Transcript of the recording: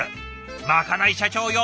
まかない社長よ